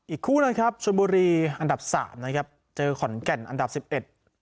อีกคู่หนึ่งครับชนบุรีอันดับสามนะครับเจอขอนแก่นอันดับสิบเอ็ด